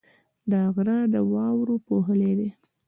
دا غر د واورو پوښلی دی.